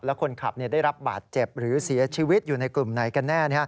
แล้วคนขับได้รับบาดเจ็บหรือเสียชีวิตอยู่ในกลุ่มไหนกันแน่